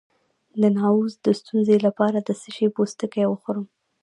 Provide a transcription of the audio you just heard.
د نعوظ د ستونزې لپاره د څه شي پوستکی وخورم؟